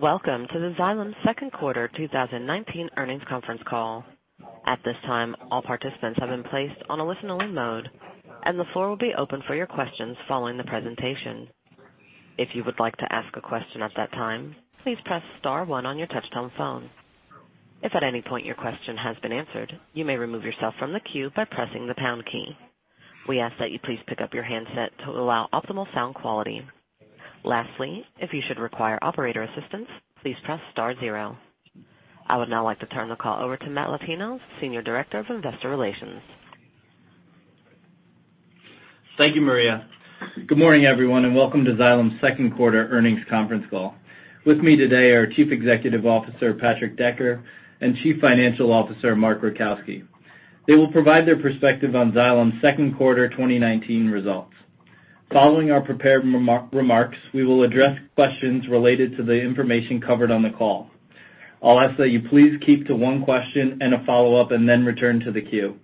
Welcome to the Xylem second quarter 2019 earnings conference call. At this time, all participants have been placed on a listen-in mode, and the floor will be open for your questions following the presentation. If you would like to ask a question at that time, please press star one on your touch-tone phone. If at any point your question has been answered, you may remove yourself from the queue by pressing the pound key. We ask that you please pick up your handset to allow optimal sound quality. Lastly, if you should require operator assistance, please press star zero. I would now like to turn the call over to Matthew Latino, Senior Director of Investor Relations. Thank you, Maria. Good morning, everyone, and welcome to Xylem's second quarter earnings conference call. With me today are Chief Executive Officer, Patrick Decker, and Chief Financial Officer, Mark Rajkowski. They will provide their perspective on Xylem's second quarter 2019 results. Following our prepared remarks, we will address questions related to the information covered on the call. I'll ask that you please keep to one question and a follow-up, and then return to the queue.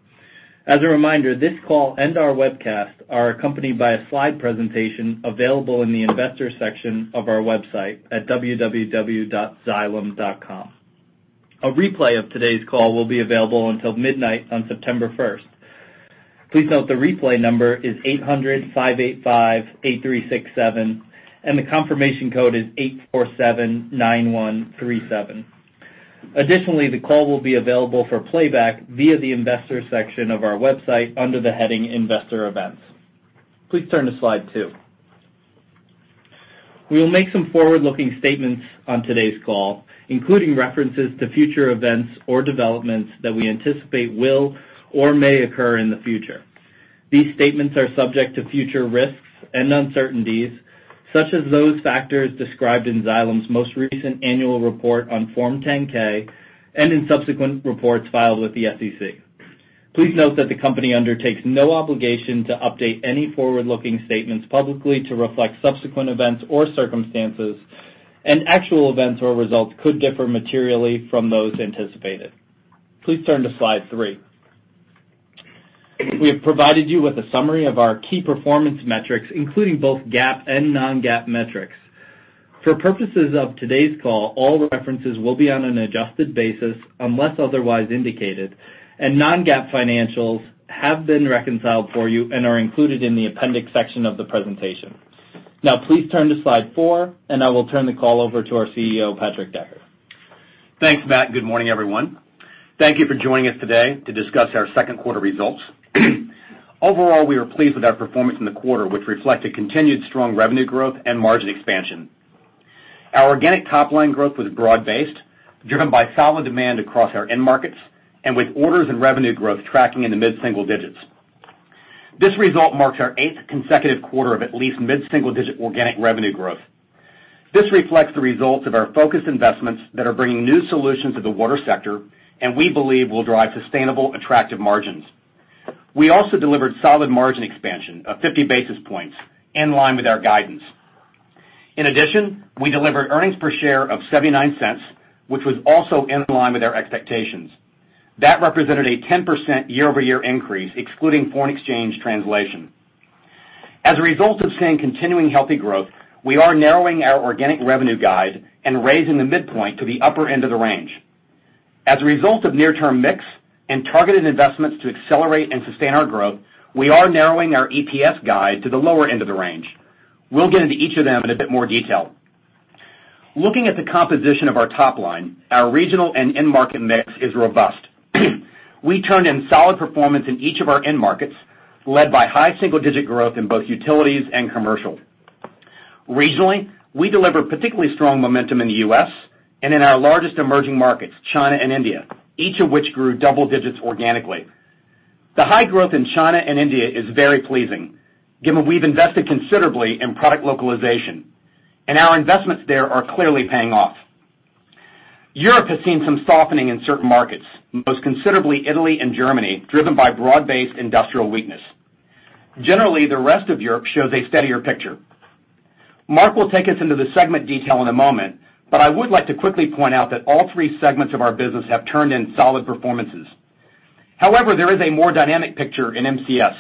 As a reminder, this call and our webcast are accompanied by a slide presentation available in the Investors section of our website at www.xylem.com. A replay of today's call will be available until midnight on September 1st. Please note the replay number is 800-585-8367, and the confirmation code is 8479137. Additionally, the call will be available for playback via the Investors section of our website under the heading, Investor Events. Please turn to Slide 2. We will make some forward-looking statements on today's call, including references to future events or developments that we anticipate will or may occur in the future. These statements are subject to future risks and uncertainties, such as those factors described in Xylem's most recent annual report on Form 10-K, and in subsequent reports filed with the SEC. Please note that the company undertakes no obligation to update any forward-looking statements publicly to reflect subsequent events or circumstances, and actual events or results could differ materially from those anticipated. Please turn to Slide 3. We have provided you with a summary of our key performance metrics, including both GAAP and non-GAAP metrics. For purposes of today's call, all references will be on an adjusted basis unless otherwise indicated, and non-GAAP financials have been reconciled for you and are included in the appendix section of the presentation. Please turn to Slide four, and I will turn the call over to our CEO, Patrick Decker. Thanks, Matt. Good morning, everyone. Thank you for joining us today to discuss our second quarter results. Overall, we are pleased with our performance in the quarter, which reflect a continued strong revenue growth and margin expansion. Our organic top-line growth was broad-based, driven by solid demand across our end markets, and with orders and revenue growth tracking in the mid-single digits. This result marks our eighth consecutive quarter of at least mid-single-digit organic revenue growth. This reflects the results of our focused investments that are bringing new solutions to the water sector, and we believe will drive sustainable, attractive margins. We also delivered solid margin expansion of 50 basis points, in line with our guidance. In addition, we delivered earnings per share of $0.79, which was also in line with our expectations. That represented a 10% year-over-year increase, excluding foreign exchange translation. As a result of seeing continuing healthy growth, we are narrowing our organic revenue guide and raising the midpoint to the upper end of the range. As a result of near-term mix and targeted investments to accelerate and sustain our growth, we are narrowing our EPS guide to the lower end of the range. We'll get into each of them in a bit more detail. Looking at the composition of our top line, our regional and end market mix is robust. We turned in solid performance in each of our end markets, led by high single-digit growth in both utilities and commercial. Regionally, we delivered particularly strong momentum in the U.S. and in our largest emerging markets, China and India, each of which grew double digits organically. The high growth in China and India is very pleasing, given we've invested considerably in product localization, and our investments there are clearly paying off. Europe has seen some softening in certain markets, most considerably Italy and Germany, driven by broad-based industrial weakness. Generally, the rest of Europe shows a steadier picture. Mark will take us into the segment detail in a moment, but I would like to quickly point out that all three segments of our business have turned in solid performances. However, there is a more dynamic picture in MCS.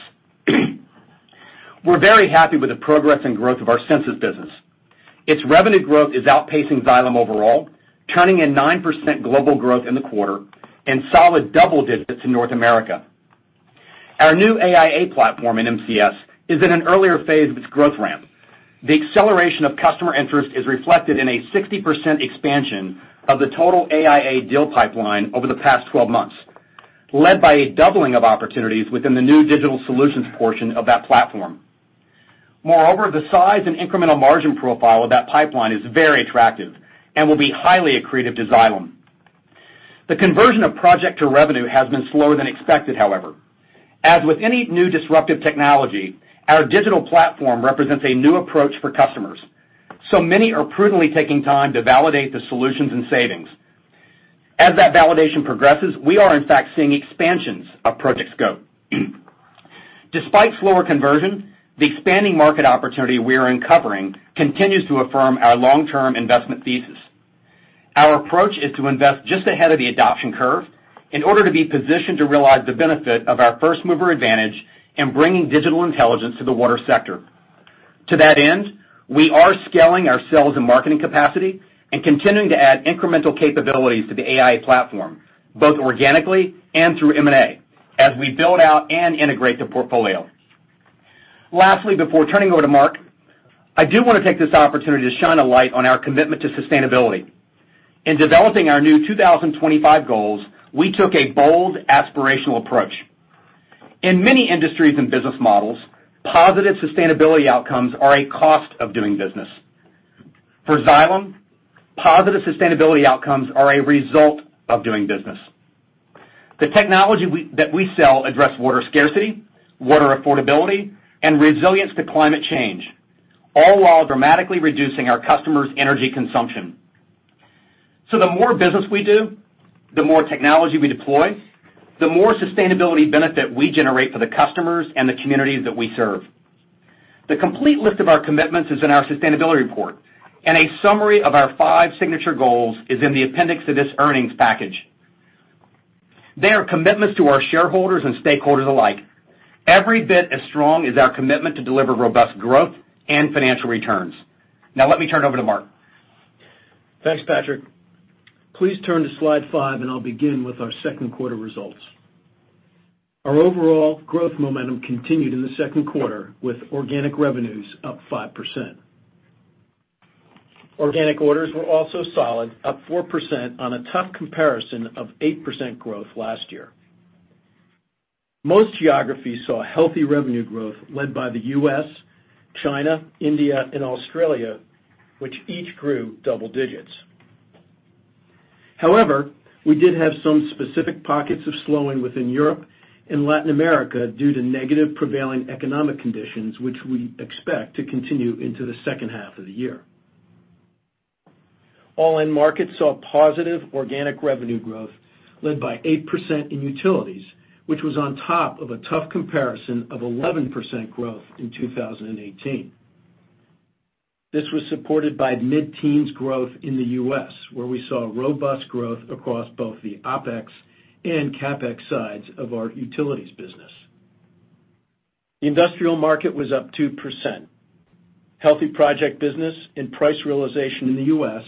We're very happy with the progress and growth of our Sensus business. Its revenue growth is outpacing Xylem overall, turning in 9% global growth in the quarter and solid double digits in North America. Our new AIA platform in MCS is in an earlier phase of its growth ramp. The acceleration of customer interest is reflected in a 60% expansion of the total AIA deal pipeline over the past 12 months, led by a doubling of opportunities within the new digital solutions portion of that platform. Moreover, the size and incremental margin profile of that pipeline is very attractive and will be highly accretive to Xylem. The conversion of project to revenue has been slower than expected, however. As with any new disruptive technology, our digital platform represents a new approach for customers, so many are prudently taking time to validate the solutions and savings. As that validation progresses, we are in fact seeing expansions of project scope. Despite slower conversion, the expanding market opportunity we are uncovering continues to affirm our long-term investment thesis. Our approach is to invest just ahead of the adoption curve in order to be positioned to realize the benefit of our first-mover advantage in bringing digital intelligence to the water sector. To that end, we are scaling our sales and marketing capacity and continuing to add incremental capabilities to the AI platform, both organically and through M&A, as we build out and integrate the portfolio. Lastly, before turning over to Mark, I do want to take this opportunity to shine a light on our commitment to sustainability. In developing our new 2025 goals, we took a bold, aspirational approach. In many industries and business models, positive sustainability outcomes are a cost of doing business. For Xylem, positive sustainability outcomes are a result of doing business. The technology that we sell address water scarcity, water affordability, and resilience to climate change, all while dramatically reducing our customers' energy consumption. The more business we do, the more technology we deploy, the more sustainability benefit we generate for the customers and the communities that we serve. The complete list of our commitments is in our sustainability report, and a summary of our five signature goals is in the appendix of this earnings package. They are commitments to our shareholders and stakeholders alike, every bit as strong as our commitment to deliver robust growth and financial returns. Now let me turn it over to Mark. Thanks, Patrick. Please turn to slide five. I'll begin with our second quarter results. Our overall growth momentum continued in the second quarter, with organic revenues up 5%. Organic orders were also solid, up 4% on a tough comparison of 8% growth last year. Most geographies saw healthy revenue growth led by the U.S., China, India, and Australia, which each grew double digits. We did have some specific pockets of slowing within Europe and Latin America due to negative prevailing economic conditions, which we expect to continue into the second half of the year. All end markets saw positive organic revenue growth, led by 8% in utilities, which was on top of a tough comparison of 11% growth in 2018. This was supported by mid-teens growth in the U.S., where we saw robust growth across both the OpEx and CapEx sides of our utilities business. The industrial market was up 2%. Healthy project business and price realization in the U.S.,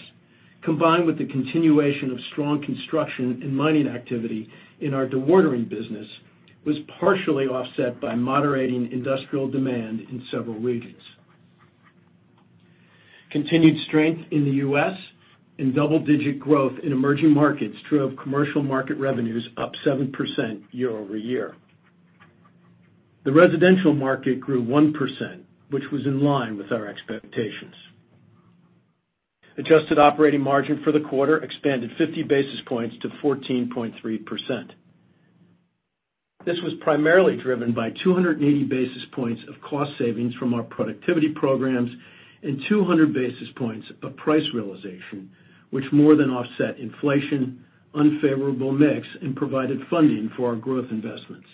combined with the continuation of strong construction and mining activity in our dewatering business, was partially offset by moderating industrial demand in several regions. Continued strength in the U.S. and double-digit growth in emerging markets drove commercial market revenues up 7% year over year. The residential market grew 1%, which was in line with our expectations. Adjusted operating margin for the quarter expanded 50 basis points to 14.3%. This was primarily driven by 280 basis points of cost savings from our productivity programs and 200 basis points of price realization, which more than offset inflation, unfavorable mix, and provided funding for our growth investments.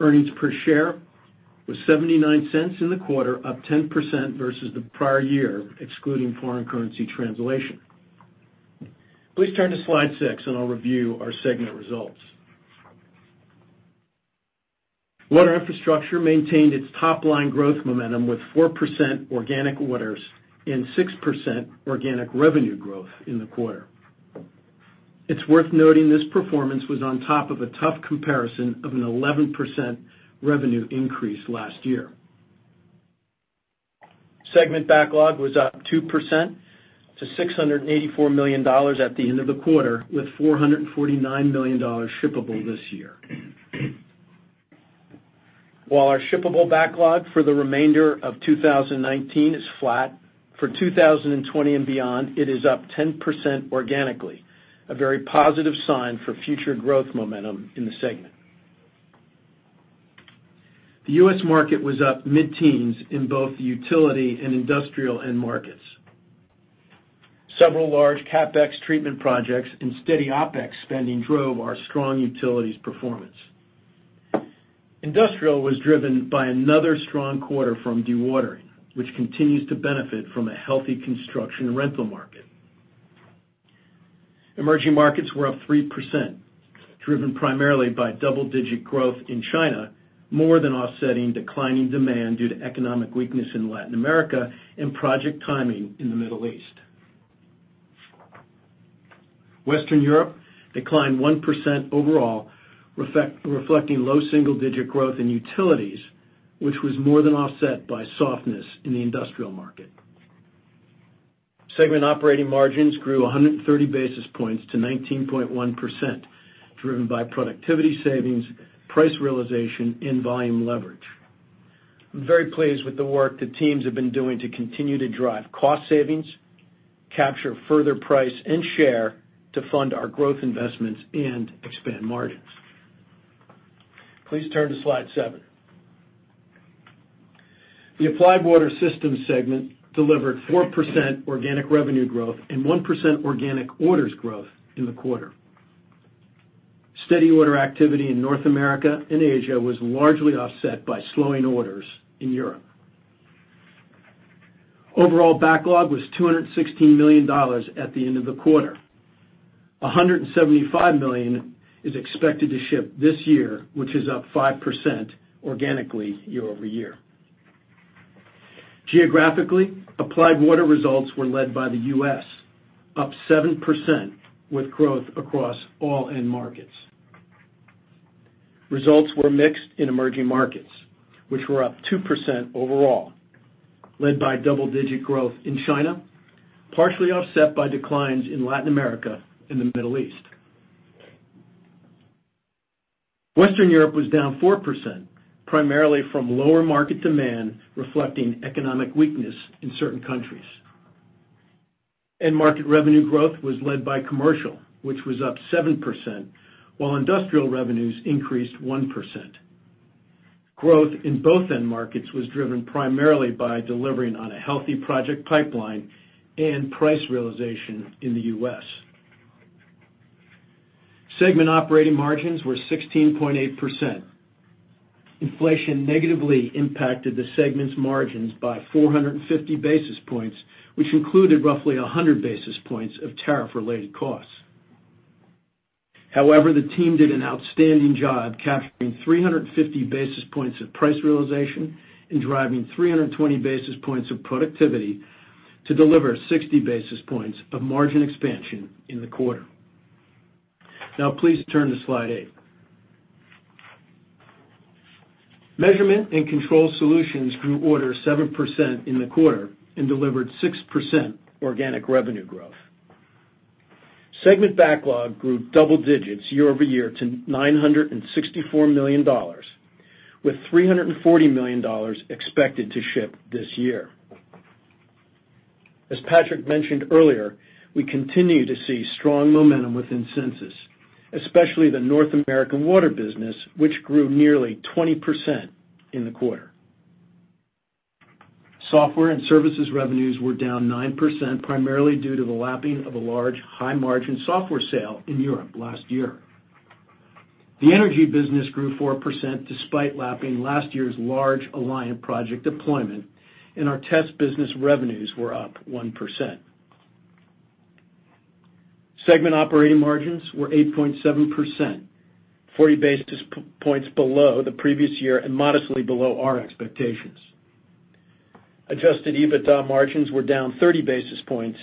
Earnings per share was $0.79 in the quarter, up 10% versus the prior year, excluding foreign currency translation. Please turn to slide six, and I'll review our segment results. Water Infrastructure maintained its top-line growth momentum with 4% organic orders and 6% organic revenue growth in the quarter. It's worth noting this performance was on top of a tough comparison of an 11% revenue increase last year. Segment backlog was up 2% to $684 million at the end of the quarter, with $449 million shippable this year. While our shippable backlog for the remainder of 2019 is flat, for 2020 and beyond, it is up 10% organically, a very positive sign for future growth momentum in the segment. The U.S. market was up mid-teens in both the utility and industrial end markets. Several large CapEx treatment projects and steady OpEx spending drove our strong utilities performance. Industrial was driven by another strong quarter from dewatering, which continues to benefit from a healthy construction rental market. Emerging markets were up 3%, driven primarily by double-digit growth in China, more than offsetting declining demand due to economic weakness in Latin America and project timing in the Middle East. Western Europe declined 1% overall, reflecting low single-digit growth in utilities, which was more than offset by softness in the industrial market. Segment operating margins grew 130 basis points to 19.1%, driven by productivity savings, price realization, and volume leverage. I'm very pleased with the work the teams have been doing to continue to drive cost savings, capture further price and share to fund our growth investments and expand margins. Please turn to slide seven. The Applied Water segment delivered 4% organic revenue growth and 1% organic orders growth in the quarter. Steady order activity in North America and Asia was largely offset by slowing orders in Europe. Overall backlog was $216 million at the end of the quarter. $175 million is expected to ship this year, which is up 5% organically year-over-year. Geographically, Applied Water results were led by the U.S., up 7% with growth across all end markets. Results were mixed in emerging markets, which were up 2% overall, led by double-digit growth in China, partially offset by declines in Latin America and the Middle East. Western Europe was down 4%, primarily from lower market demand, reflecting economic weakness in certain countries. End market revenue growth was led by commercial, which was up 7%, while industrial revenues increased 1%. Growth in both end markets was driven primarily by delivering on a healthy project pipeline and price realization in the U.S. Segment operating margins were 16.8%. Inflation negatively impacted the segment's margins by 450 basis points, which included roughly 100 basis points of tariff-related costs. However, the team did an outstanding job capturing 350 basis points of price realization and driving 320 basis points of productivity to deliver 60 basis points of margin expansion in the quarter. Now please turn to slide eight. Measurement & Control Solutions grew orders 7% in the quarter and delivered 6% organic revenue growth. Segment backlog grew double digits year-over-year to $964 million, with $340 million expected to ship this year. As Patrick mentioned earlier, we continue to see strong momentum within Sensus, especially the North American water business, which grew nearly 20% in the quarter. Software and services revenues were down 9%, primarily due to the lapping of a large high-margin software sale in Europe last year. The energy business grew 4% despite lapping last year's large Alliant project deployment, and our test business revenues were up 1%. Segment operating margins were 8.7%, 40 basis points below the previous year and modestly below our expectations. Adjusted EBITDA margins were down 30 basis points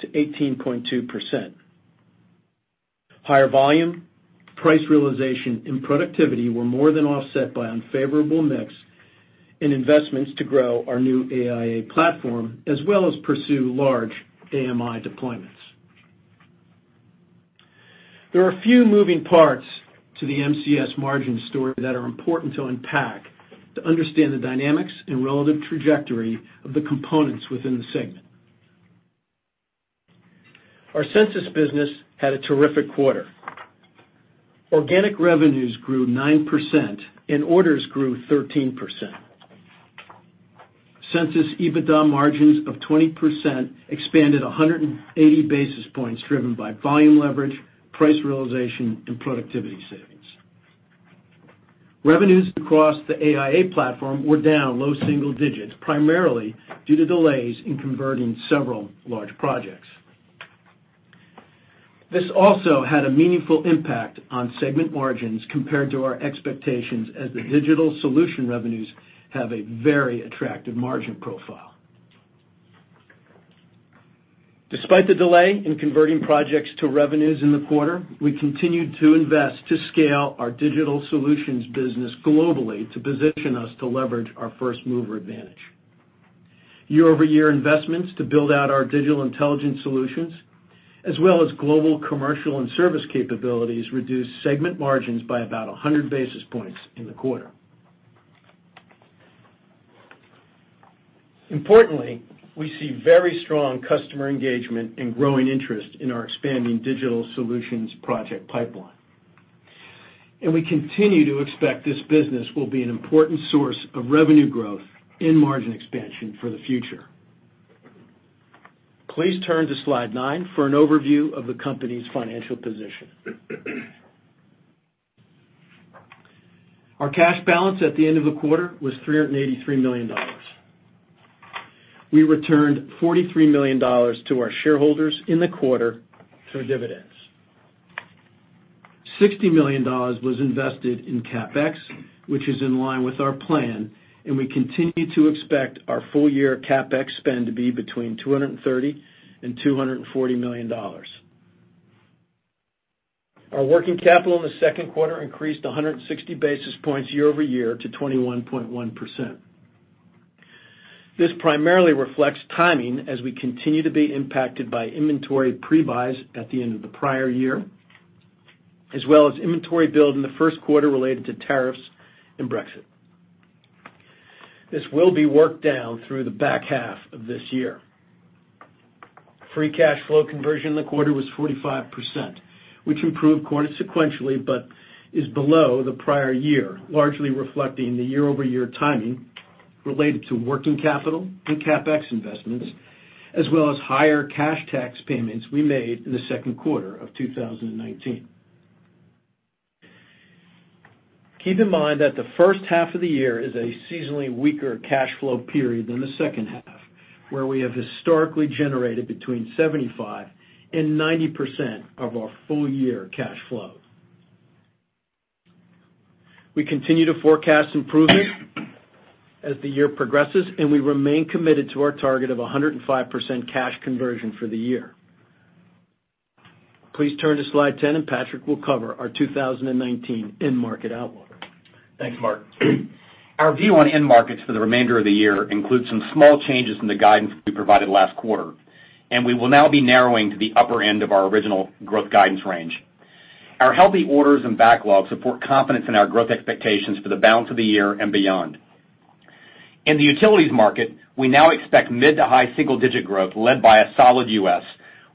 to 18.2%. Higher volume, price realization, and productivity were more than offset by unfavorable mix and investments to grow our new AIA platform, as well as pursue large AMI deployments. There are a few moving parts to the MCS margin story that are important to unpack to understand the dynamics and relative trajectory of the components within the segment. Our Sensus business had a terrific quarter. Organic revenues grew 9%, and orders grew 13%. Sensus EBITDA margins of 20% expanded 180 basis points, driven by volume leverage, price realization, and productivity savings. Revenues across the AIA platform were down low single digits, primarily due to delays in converting several large projects. This also had a meaningful impact on segment margins compared to our expectations as the digital solution revenues have a very attractive margin profile. Despite the delay in converting projects to revenues in the quarter, we continued to invest to scale our digital solutions business globally to position us to leverage our first-mover advantage. Year-over-year investments to build out our digital intelligence solutions, as well as global commercial and service capabilities, reduced segment margins by about 100 basis points in the quarter. Importantly, we see very strong customer engagement and growing interest in our expanding digital solutions project pipeline. We continue to expect this business will be an important source of revenue growth and margin expansion for the future. Please turn to slide nine for an overview of the company's financial position. Our cash balance at the end of the quarter was $383 million. We returned $43 million to our shareholders in the quarter through dividends. $60 million was invested in CapEx, which is in line with our plan, and we continue to expect our full-year CapEx spend to be between $230 million and $240 million. Our working capital in the second quarter increased 160 basis points year-over-year to 21.1%. This primarily reflects timing as we continue to be impacted by inventory pre-buys at the end of the prior year, as well as inventory build in the first quarter related to tariffs and Brexit. This will be worked down through the back half of this year. Free cash flow conversion in the quarter was 45%, which improved quarter sequentially but is below the prior year, largely reflecting the year-over-year timing related to working capital and CapEx investments, as well as higher cash tax payments we made in the second quarter of 2019. Keep in mind that the first half of the year is a seasonally weaker cash flow period than the second half, where we have historically generated between 75% and 90% of our full year cash flow. We continue to forecast improvement as the year progresses, and we remain committed to our target of 105% cash conversion for the year. Please turn to Slide 10, and Patrick will cover our 2019 end market outlook. Thanks, Mark. Our view on end markets for the remainder of the year includes some small changes in the guidance we provided last quarter, we will now be narrowing to the upper end of our original growth guidance range. Our healthy orders and backlogs support confidence in our growth expectations for the balance of the year and beyond. In the utilities market, we now expect mid to high single-digit growth led by a solid U.S.,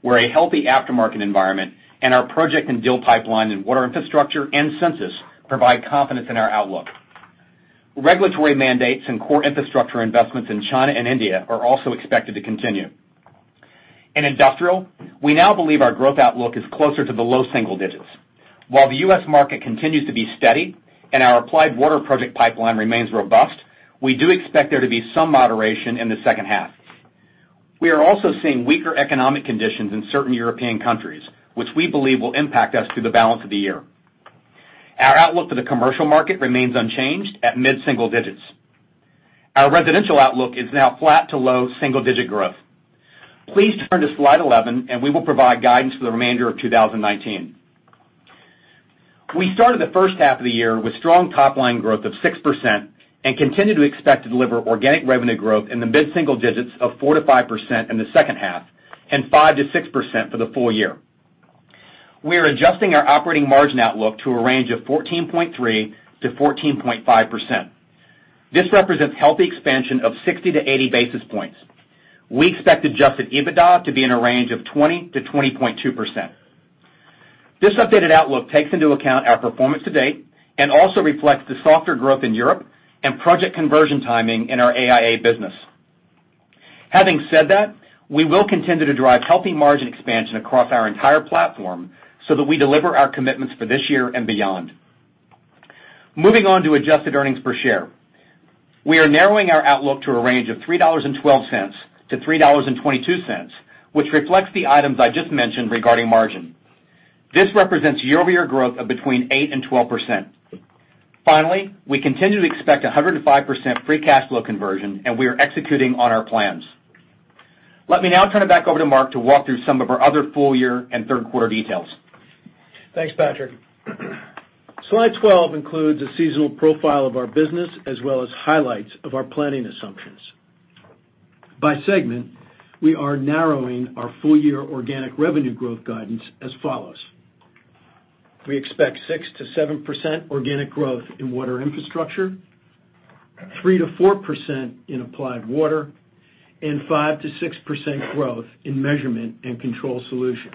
where a healthy aftermarket environment and our project and deal pipeline in Water Infrastructure and Sensus provide confidence in our outlook. Regulatory mandates and core infrastructure investments in China and India are also expected to continue. In industrial, we now believe our growth outlook is closer to the low single digits. While the U.S. market continues to be steady and our Applied Water project pipeline remains robust, we do expect there to be some moderation in the second half. We are also seeing weaker economic conditions in certain European countries, which we believe will impact us through the balance of the year. Our outlook for the commercial market remains unchanged at mid-single digits. Our residential outlook is now flat to low double-digit growth. Please turn to Slide 11, and we will provide guidance for the remainder of 2019. We started the first half of the year with strong top-line growth of 6% and continue to expect to deliver organic revenue growth in the mid-single digits of 4%-5% in the second half and 5%-6% for the full year. We are adjusting our operating margin outlook to a range of 14.3%-14.5%. This represents healthy expansion of 60 to 80 basis points. We expect adjusted EBITDA to be in a range of 20%-20.2%. This updated outlook takes into account our performance to date and also reflects the softer growth in Europe and project conversion timing in our AIA business. Having said that, we will continue to drive healthy margin expansion across our entire platform so that we deliver our commitments for this year and beyond. Moving on to adjusted earnings per share. We are narrowing our outlook to a range of $3.12-$3.22, which reflects the items I just mentioned regarding margin. This represents year-over-year growth of between 8% and 12%. Finally, we continue to expect 105% free cash flow conversion, and we are executing on our plans. Let me now turn it back over to Mark to walk through some of our other full year and third quarter details. Thanks, Patrick. Slide 12 includes a seasonal profile of our business as well as highlights of our planning assumptions. By segment, we are narrowing our full-year organic revenue growth guidance as follows. We expect 6%-7% organic growth in Water Infrastructure, 3%-4% in Applied Water, and 5%-6% growth in Measurement & Control Solutions.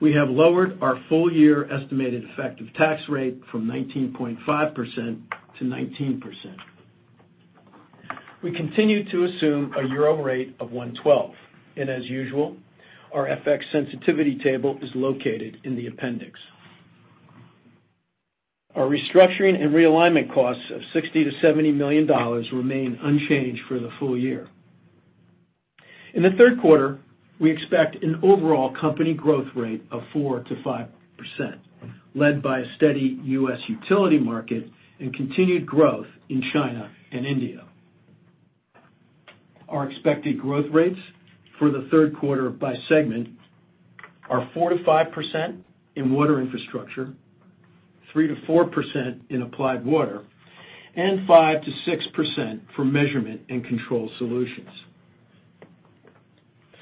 We have lowered our full-year estimated effective tax rate from 19.5%-19%. We continue to assume a euro rate of 112. As usual, our FX sensitivity table is located in the appendix. Our restructuring and realignment costs of $60 million-$70 million remain unchanged for the full year. In the third quarter, we expect an overall company growth rate of 4%-5%, led by a steady U.S. utility market and continued growth in China and India. Our expected growth rates for the third quarter by segment are 4%-5% in Water Infrastructure, 3%-4% in Applied Water, and 5%-6% for Measurement & Control Solutions.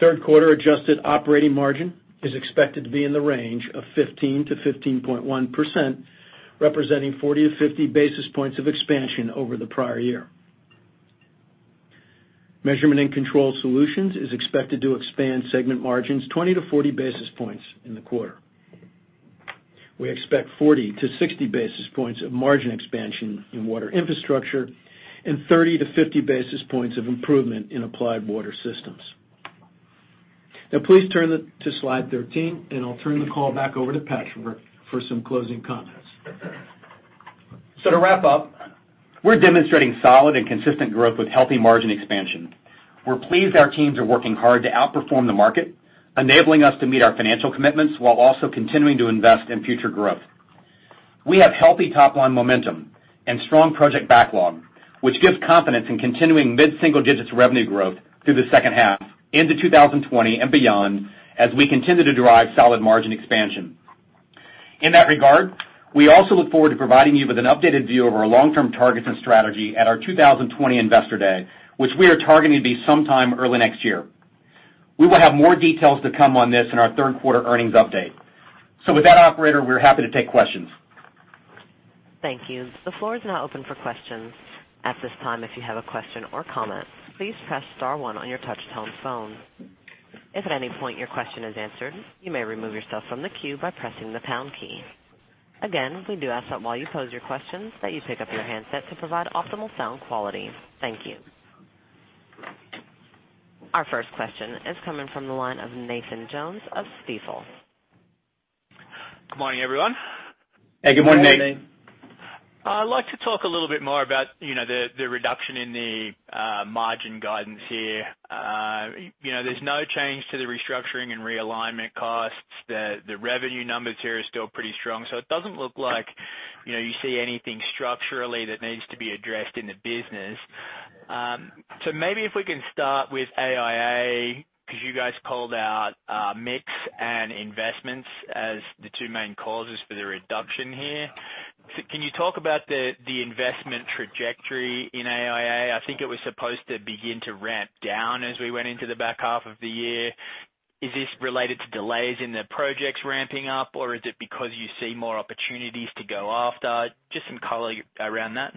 Third quarter adjusted operating margin is expected to be in the range of 15%-15.1%, representing 40-50 basis points of expansion over the prior year. Measurement & Control Solutions is expected to expand segment margins 20-40 basis points in the quarter. We expect 40-60 basis points of margin expansion in Water Infrastructure and 30-50 basis points of improvement in Applied Water systems. Now please turn to Slide 13, and I'll turn the call back over to Patrick for some closing comments. To wrap up, we're demonstrating solid and consistent growth with healthy margin expansion. We're pleased our teams are working hard to outperform the market, enabling us to meet our financial commitments while also continuing to invest in future growth. We have healthy top-line momentum and strong project backlog, which gives confidence in continuing mid-single digits revenue growth through the second half into 2020 and beyond as we continue to derive solid margin expansion. In that regard, we also look forward to providing you with an updated view of our long-term targets and strategy at our 2020 Investor Day, which we are targeting to be sometime early next year. We will have more details to come on this in our third quarter earnings update. With that operator, we're happy to take questions. Thank you. The floor is now open for questions. At this time, if you have a question or comment, please press star one on your touch-tone phone. If at any point your question is answered, you may remove yourself from the queue by pressing the pound key. Again, we do ask that while you pose your questions, that you pick up your handset to provide optimal sound quality. Thank you. Our first question is coming from the line of Nathan Jones of Stifel. Good morning, everyone. Hey, good morning, Nate. I'd like to talk a little bit more about the reduction in the margin guidance here. There's no change to the restructuring and realignment costs. The revenue numbers here are still pretty strong. It doesn't look like you see anything structurally that needs to be addressed in the business. Maybe if we can start with AIA, because you guys called out mix and investments as the two main causes for the reduction here. Can you talk about the investment trajectory in AIA? I think it was supposed to begin to ramp down as we went into the back half of the year. Is this related to delays in the projects ramping up, or is it because you see more opportunities to go after? Just some color around that.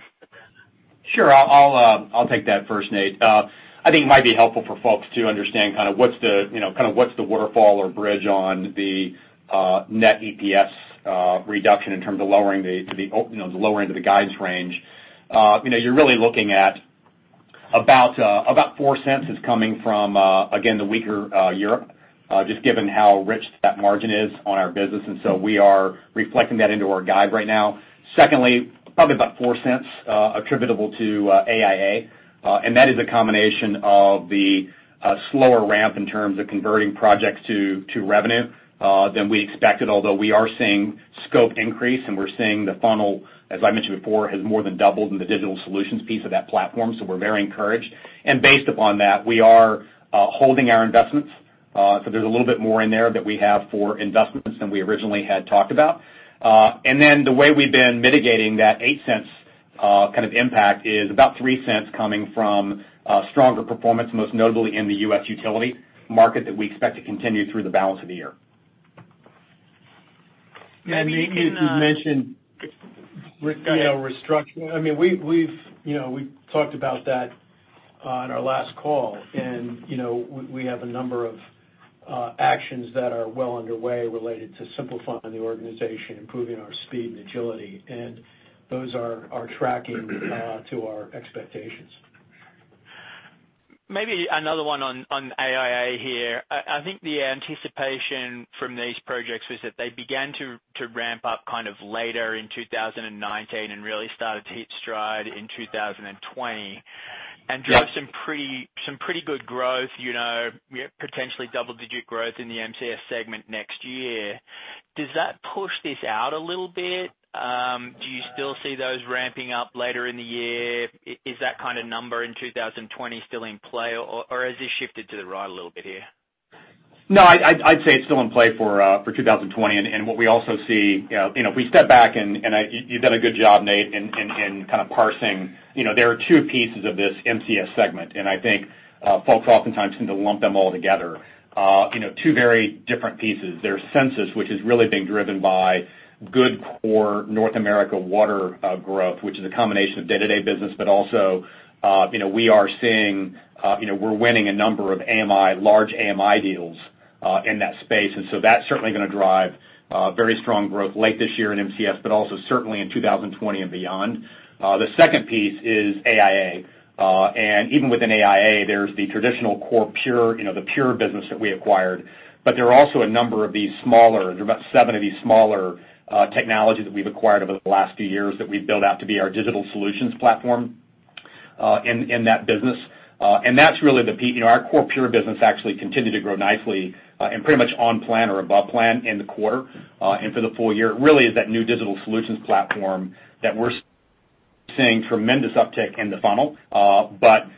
Sure. I'll take that first, Nate. I think it might be helpful for folks to understand what's the waterfall or bridge on the net EPS reduction in terms of lowering the lower end of the guidance range. You're really looking at about $0.04 is coming from, again, the weaker Europe, just given how rich that margin is on our business. We are reflecting that into our guide right now. Secondly, probably about $0.04 attributable to AIA. That is a combination of the slower ramp in terms of converting projects to revenue than we expected. Although, we are seeing scope increase, and we're seeing the funnel, as I mentioned before, has more than doubled in the digital solutions piece of that platform. We're very encouraged. Based upon that, we are holding our investments. There's a little bit more in there that we have for investments than we originally had talked about. The way we've been mitigating that $0.08 kind of impact is about $0.03 coming from stronger performance, most notably in the U.S. utility market that we expect to continue through the balance of the year. Yeah, Nate. Mark, go ahead restructuring. We talked about that on our last call. We have a number of actions that are well underway related to simplifying the organization, improving our speed and agility, and those are tracking to our expectations. Maybe another one on AIA here. I think the anticipation from these projects was that they began to ramp up later in 2019 and really started to hit stride in 2020 and drive some pretty good growth, potentially double-digit growth in the MCS segment next year. Does that push this out a little bit? Do you still see those ramping up later in the year? Is that kind of number in 2020 still in play, or has this shifted to the right a little bit here? No, I'd say it's still in play for 2020. What we also see, if we step back, and you did a good job, Nate, in kind of parsing, there are two pieces of this MCS segment, and I think folks oftentimes tend to lump them all together. Two very different pieces. There's Sensus, which is really being driven by good core North America water growth, which is a combination of day-to-day business. Also, we're winning a number of large AMI deals in that space. So that's certainly going to drive very strong growth late this year in MCS, but also certainly in 2020 and beyond. The second piece is AIA. Even within AIA, there's the traditional core Pure Technologies business that we acquired. There are also a number of these smaller, there are about seven of these smaller technologies that we've acquired over the last few years that we've built out to be our digital solutions platform in that business. Our core Pure business actually continued to grow nicely and pretty much on plan or above plan in the quarter and for the full year. It really is that new digital solutions platform that we're seeing tremendous uptick in the funnel.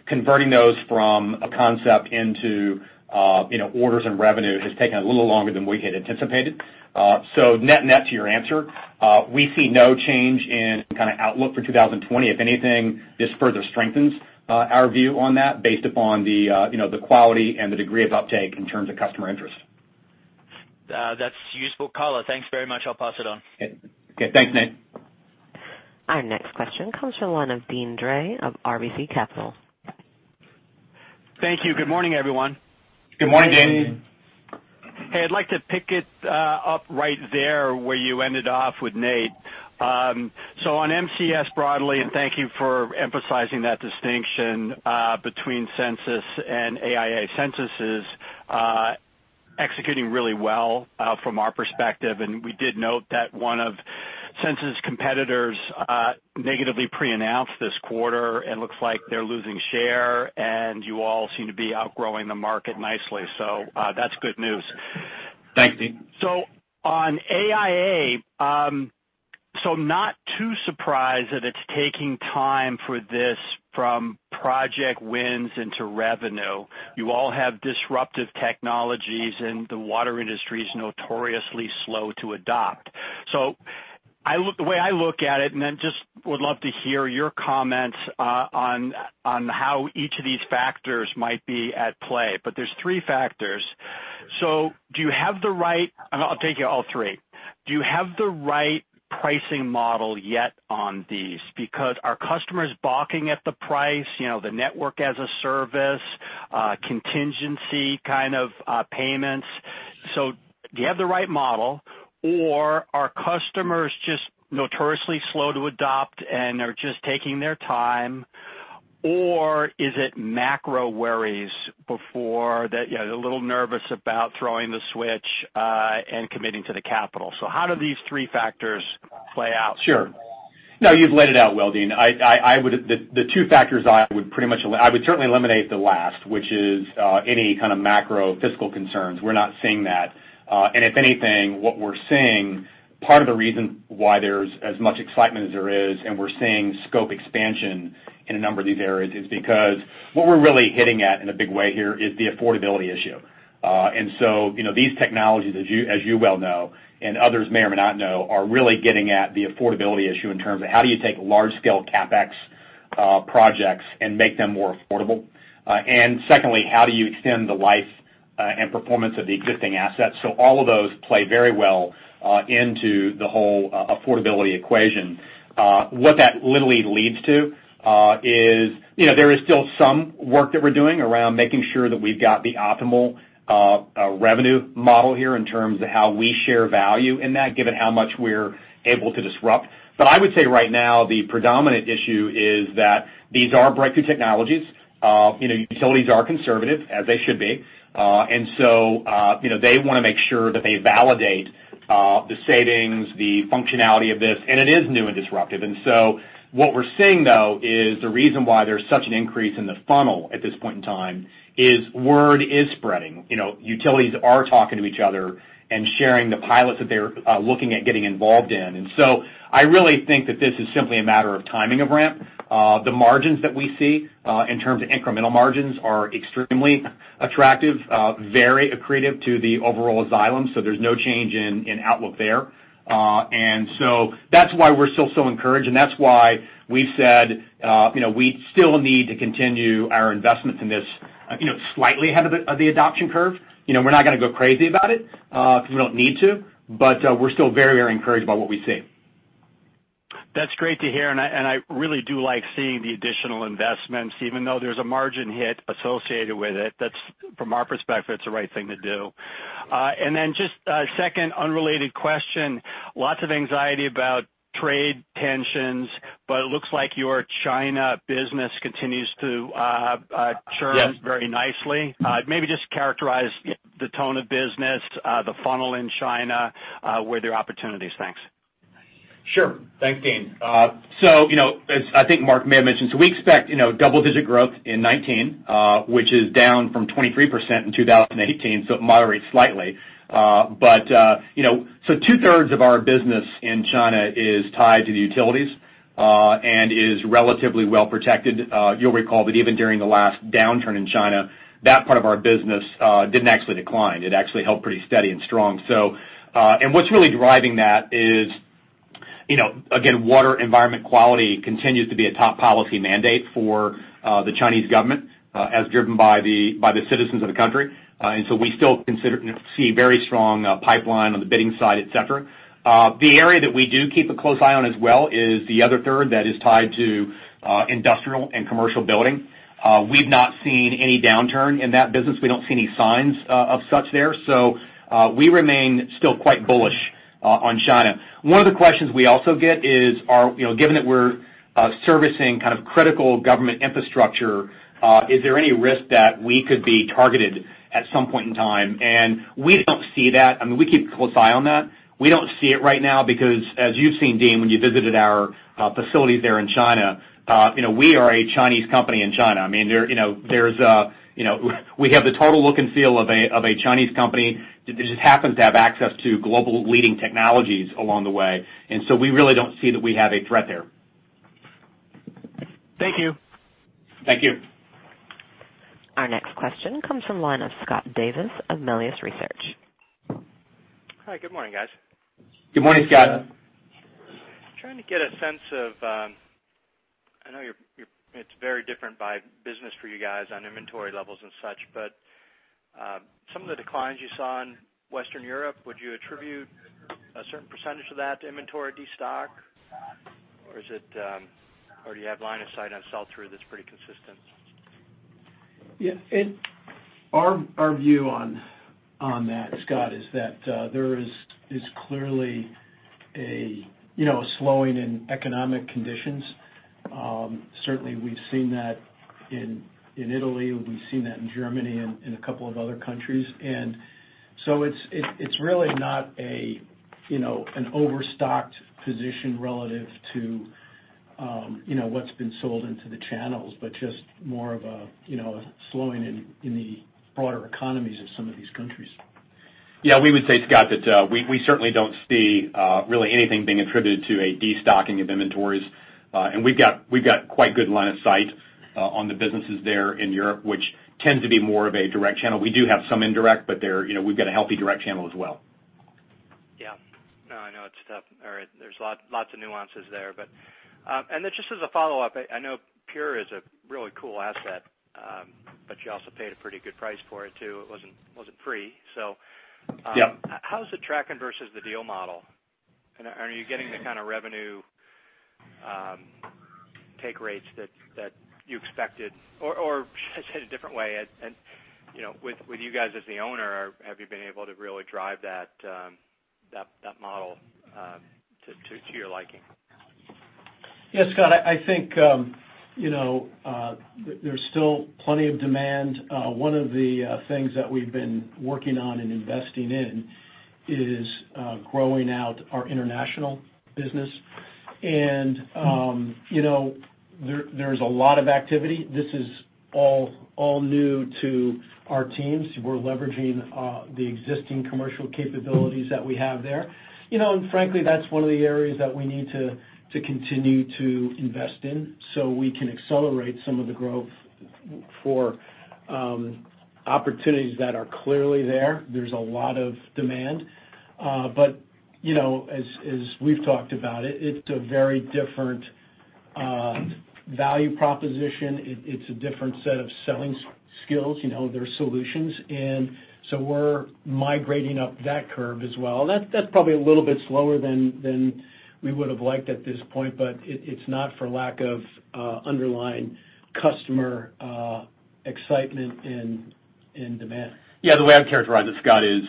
Converting those from a concept into orders and revenue has taken a little longer than we had anticipated. Net-net to your answer, we see no change in kind of outlook for 2020. If anything, this further strengthens our view on that based upon the quality and the degree of uptake in terms of customer interest. That's useful color. Thanks very much. I'll pass it on. Okay. Thanks, Nate. Our next question comes from the line of Deane Dray of RBC Capital. Thank you. Good morning, everyone. Good morning, Deane. Hey, I'd like to pick it up right there where you ended off with Nate. On MCS broadly, and thank you for emphasizing that distinction between Sensus and AIA. Sensus is executing really well from our perspective, and we did note that one of Sensus' competitors negatively pre-announced this quarter and looks like they're losing share, and you all seem to be outgrowing the market nicely. That's good news. Thanks, Deane. On AIA, not too surprised that it's taking time for this from project wins into revenue. You all have disruptive technologies, the water industry's notoriously slow to adopt. The way I look at it, would love to hear your comments on how each of these factors might be at play. There's three factors. I'll take you all three. Do you have the right pricing model yet on these? Are customers balking at the price? The network as a service, contingency kind of payments. Do you have the right model, or are customers just notoriously slow to adopt and are just taking their time, or is it macro worries before that you're a little nervous about throwing the switch and committing to the capital? How do these three factors play out? Sure. No, you've laid it out well, Deane. The two factors I would certainly eliminate the last, which is any kind of macro fiscal concerns. We're not seeing that. If anything, what we're seeing, part of the reason why there's as much excitement as there is, and we're seeing scope expansion in a number of these areas, is because what we're really hitting at in a big way here is the affordability issue. These technologies, as you well know, and others may or may not know, are really getting at the affordability issue in terms of how do you take large-scale CapEx projects and make them more affordable. Secondly, how do you extend the life and performance of the existing assets? All of those play very well into the whole affordability equation. What that literally leads to is there is still some work that we're doing around making sure that we've got the optimal revenue model here in terms of how we share value in that, given how much we're able to disrupt. I would say right now, the predominant issue is that these are breakthrough technologies. Utilities are conservative, as they should be. They want to make sure that they validate the savings, the functionality of this, and it is new and disruptive. What we're seeing, though, is the reason why there's such an increase in the funnel at this point in time is word is spreading. Utilities are talking to each other and sharing the pilots that they're looking at getting involved in. I really think that this is simply a matter of timing of ramp. The margins that we see in terms of incremental margins are extremely attractive, very accretive to the overall Xylem. There's no change in outlook there. That's why we're still so encouraged, and that's why we've said we still need to continue our investments in this slightly ahead of the adoption curve. We're not going to go crazy about it because we don't need to, but we're still very encouraged by what we see. That's great to hear, I really do like seeing the additional investments, even though there's a margin hit associated with it. From our perspective, it's the right thing to do. Then just a second unrelated question. Lots of anxiety about trade tensions, it looks like your China business continues to churn. Yes very nicely. Maybe just characterize the tone of business, the funnel in China, where there are opportunities. Thanks. Sure. Thanks, Deane. As I think Mark may have mentioned, so we expect double-digit growth in 2019, which is down from 23% in 2018, so it moderates slightly. Two-thirds of our business in China is tied to the utilities and is relatively well-protected. You'll recall that even during the last downturn in China, that part of our business didn't actually decline. It actually held pretty steady and strong. What's really driving that is, again, water environment quality continues to be a top policy mandate for the Chinese government as driven by the citizens of the country. We still see very strong pipeline on the bidding side, et cetera. The area that we do keep a close eye on as well is the other third that is tied to industrial and commercial building. We've not seen any downturn in that business. We don't see any signs of such there. We remain still quite bullish on China. One of the questions we also get is, given that we're servicing kind of critical government infrastructure, is there any risk that we could be targeted at some point in time? We don't see that. I mean, we keep a close eye on that. We don't see it right now because as you've seen, Deane, when you visited our facilities there in China, we are a Chinese company in China. I mean, we have the total look and feel of a Chinese company that just happens to have access to global leading technologies along the way. We really don't see that we have a threat there. Thank you. Thank you. Our next question comes from the line of Scott Davis of Melius Research. Hi, good morning, guys. Good morning, Scott. I know it's very different by business for you guys on inventory levels and such, but some of the declines you saw in Western Europe, would you attribute a certain percentage of that to inventory de-stock? Or do you have line of sight on sell-through that's pretty consistent? Yeah. Our view on that, Scott, is that there is clearly a slowing in economic conditions. Certainly, we've seen that in Italy, we've seen that in Germany and in a couple of other countries. It's really not an overstocked position relative to what's been sold into the channels, but just more of a slowing in the broader economies of some of these countries. Yeah, we would say, Scott, that we certainly don't see really anything being attributed to a de-stocking of inventories. We've got quite good line of sight on the businesses there in Europe, which tend to be more of a direct channel. We do have some indirect, but we've got a healthy direct channel as well. Yeah. No, I know it's tough. All right. There's lots of nuances there. Then just as a follow-up, I know Pure is a really cool asset, but you also paid a pretty good price for it, too. It wasn't free. Yep how's it tracking versus the deal model? Are you getting the kind of revenue take rates that you expected, or say it a different way, and with you guys as the owner, have you been able to really drive that model to your liking? Yes, Scott, I think there's still plenty of demand. One of the things that we've been working on and investing in is growing out our international business. There's a lot of activity. This is all new to our teams. We're leveraging the existing commercial capabilities that we have there. Frankly, that's one of the areas that we need to continue to invest in so we can accelerate some of the growth for opportunities that are clearly there. There's a lot of demand. As we've talked about it's a very different value proposition. It's a different set of selling skills. There's solutions, we're migrating up that curve as well. That's probably a little bit slower than we would've liked at this point, it's not for lack of underlying customer excitement and demand. The way I'd characterize it, Scott, is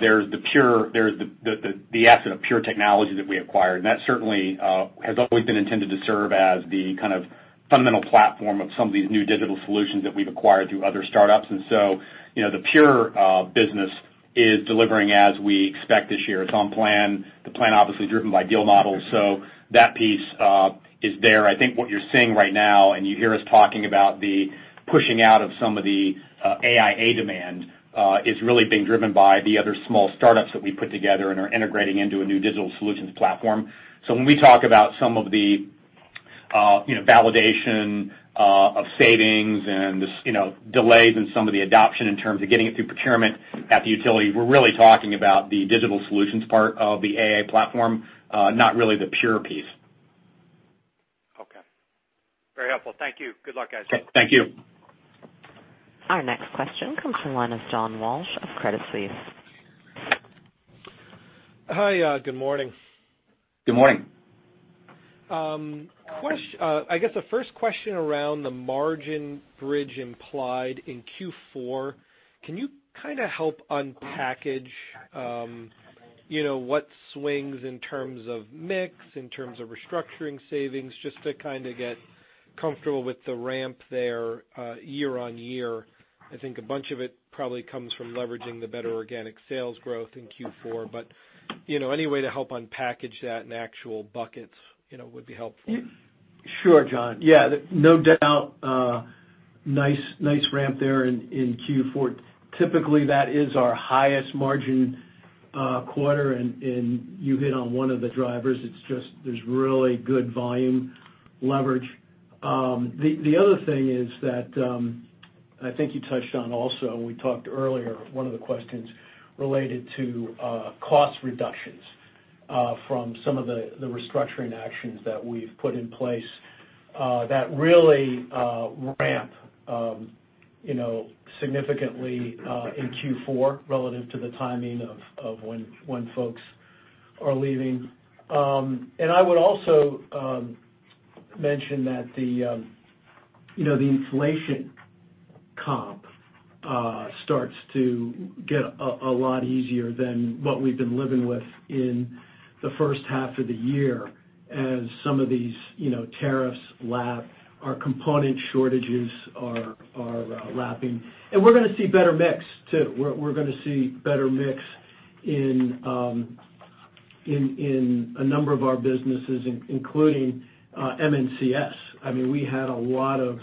there's the asset of Pure Technologies that we acquired, that certainly has always been intended to serve as the kind of fundamental platform of some of these new digital solutions that we've acquired through other startups. The Pure business is delivering as we expect this year. It's on plan. The plan, obviously, driven by deal models. That piece is there. I think what you're seeing right now, you hear us talking about the pushing out of some of the AIA demand, is really being driven by the other small startups that we put together and are integrating into a new digital solutions platform. When we talk about some of the validation of savings and the delays in some of the adoption in terms of getting it through procurement at the utility, we're really talking about the digital solutions part of the AIA platform, not really the Pure piece. Okay. Very helpful. Thank you. Good luck, guys. Okay. Thank you. Our next question comes from the line of John Walsh of Credit Suisse. Hi. Good morning. Good morning. I guess the first question around the margin bridge implied in Q4, can you kind of help unpackage what swings in terms of mix, in terms of restructuring savings, just to kind of get comfortable with the ramp there year on year? I think a bunch of it probably comes from leveraging the better organic sales growth in Q4, any way to help unpackage that in actual buckets would be helpful. Sure, John. No doubt, nice ramp there in Q4. Typically, that is our highest margin quarter, and you hit on one of the drivers. It's just there's really good volume leverage. The other thing is that, I mean, you touched on also, and we talked earlier, one of the questions related to cost reductions from some of the restructuring actions that we've put in place that really ramp significantly in Q4 relative to the timing of when folks are leaving. I would also mention that the inflation comp starts to get a lot easier than what we've been living with in the first half of the year as some of these tariffs lap, our component shortages are lapping. We're going to see better mix, too. We're going to see better mix in a number of our businesses, including MCS. We had a lot of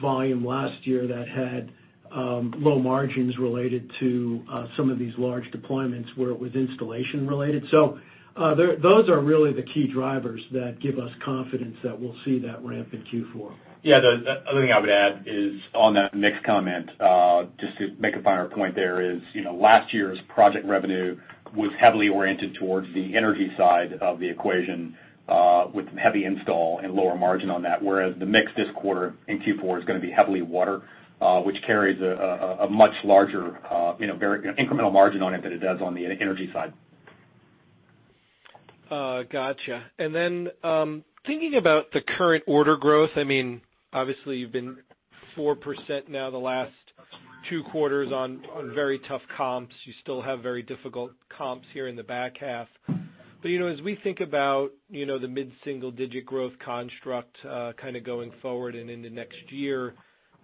volume last year that had low margins related to some of these large deployments where it was installation-related. Those are really the key drivers that give us confidence that we'll see that ramp in Q4. Yeah. The other thing I would add is on that mix comment, just to make a finer point there is, last year's project revenue was heavily oriented towards the energy side of the equation, with heavy install and lower margin on that. Whereas the mix this quarter in Q4 is going to be heavily water, which carries a much larger incremental margin on it than it does on the energy side. Got you. Thinking about the current order growth, obviously, you've been 4% now the last two quarters on very tough comps. You still have very difficult comps here in the back half. As we think about the mid-single digit growth construct kind of going forward and into next year,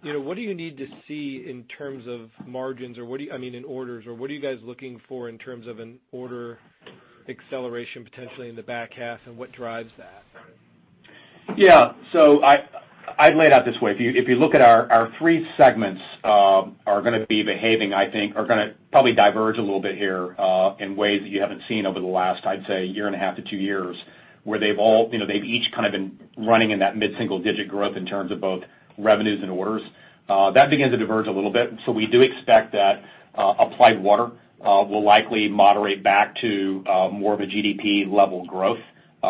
what do you need to see in terms of margins or in orders, or what are you guys looking for in terms of an order acceleration potentially in the back half, and what drives that? Yeah. I'd lay it out this way. If you look at our three segments are going to be behaving, I think, are going to probably diverge a little bit here, in ways that you haven't seen over the last, I'd say, year and a half to two years, where they've each kind of been running in that mid-single-digit growth in terms of both revenues and orders. That begins to diverge a little bit. We do expect that Applied Water will likely moderate back to more of a GDP-level growth.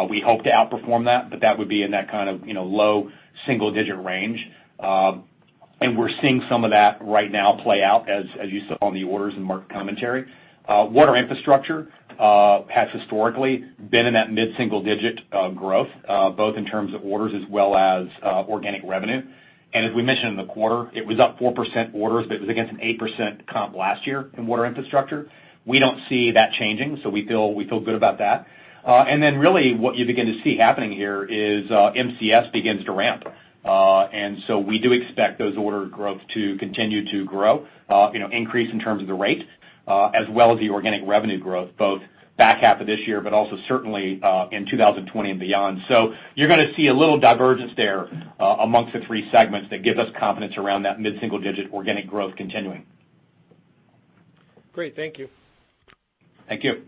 We hope to outperform that, but that would be in that kind of low double single-digit range. We're seeing some of that right now play out as you saw on the orders and market commentary. Water Infrastructure has historically been in that mid-single-digit growth, both in terms of orders as well as organic revenue. As we mentioned in the quarter, it was up 4% orders, but it was against an 8% comp last year in Water Infrastructure. We don't see that changing, so we feel good about that. Really what you begin to see happening here is MCS begins to ramp. We do expect those order growth to continue to grow, increase in terms of the rate, as well as the organic revenue growth, both back half of this year, but also certainly in 2020 and beyond. You're going to see a little divergence there amongst the three segments that give us confidence around that mid-single-digit organic growth continuing. Great. Thank you. Thank you.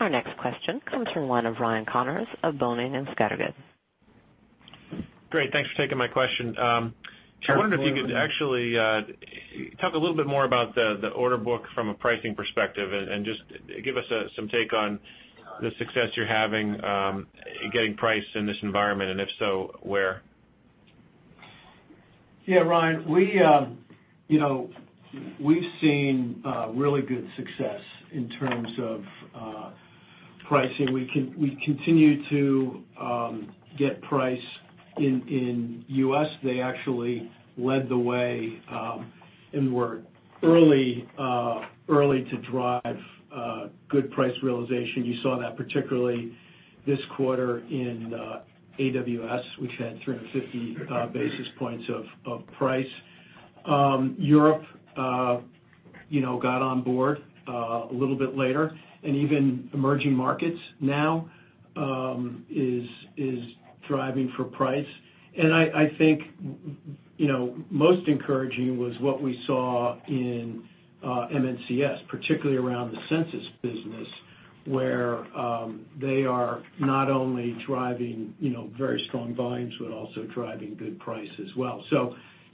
Our next question comes from the line of Ryan Connors of Boenning & Scattergood. Great. Thanks for taking my question. Sure. I wonder if you could actually talk a little bit more about the order book from a pricing perspective and just give us some take on the success you're having getting price in this environment, and if so, where. Yeah, Ryan, we've seen really good success in terms of pricing. We continue to get price in U.S. They actually led the way and were early to drive good price realization. You saw that particularly this quarter in AWS. We've had 350 basis points of price. Europe got on board a little bit later, and even emerging markets now is thriving for price. I think most encouraging was what we saw in MCS, particularly around the Sensus business, where they are not only driving very strong volumes but also driving good price as well.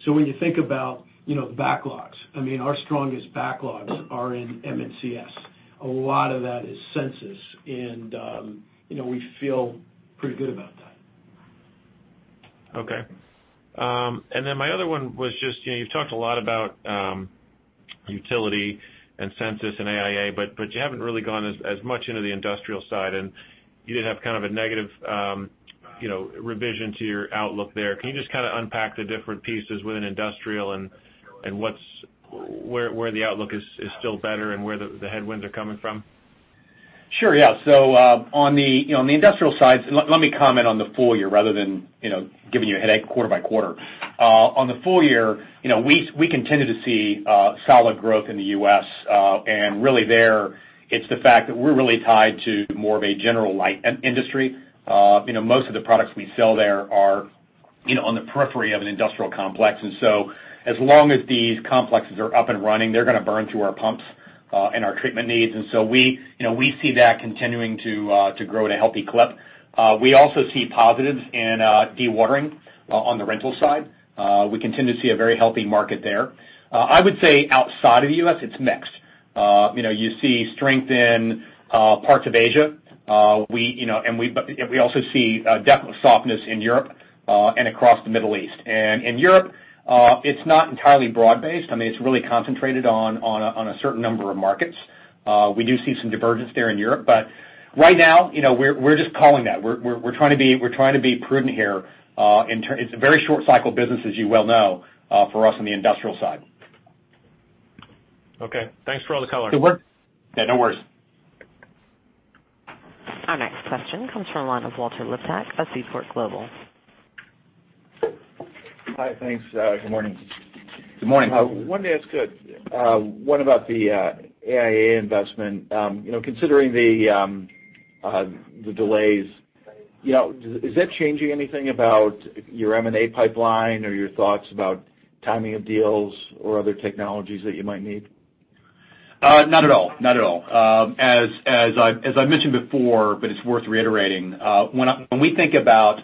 When you think about backlogs, our strongest backlogs are in MCS. A lot of that is Sensus, and we feel pretty good about that. Okay. My other one was just, you've talked a lot about utility and Sensus and AIA, but you haven't really gone as much into the industrial side, and you did have kind of a negative revision to your outlook there. Can you just kind of unpack the different pieces within industrial and where the outlook is still better and where the headwinds are coming from? Sure, yeah. On the industrial side, let me comment on the full year rather than giving you a headache quarter by quarter. On the full year, we continue to see solid growth in the U.S. and really there, it's the fact that we're really tied to more of a general light industry. Most of the products we sell there are on the periphery of an industrial complex, and so as long as these complexes are up and running, they're going to burn through our pumps and our treatment needs. We see that continuing to grow at a healthy clip. We also see positives in dewatering on the rental side. We continue to see a very healthy market there. I would say outside of the U.S., it's mixed. You see strength in parts of Asia. We also see definite softness in Europe and across the Middle East. In Europe, it's not entirely broad-based. It's really concentrated on a certain number of markets. We do see some divergence there in Europe, but right now we're just calling that. We're trying to be prudent here. It's a very short cycle business, as you well know, for us on the industrial side. Okay. Thanks for all the color. Yeah, no worries. Our next question comes from the line of Walt Liptak of Seaport Global. Hi, thanks. Good morning. Good morning. I wanted to ask, what about the AIA investment? Considering the delays, is that changing anything about your M&A pipeline or your thoughts about timing of deals or other technologies that you might need? Not at all. As I mentioned before, but it's worth reiterating, when we think about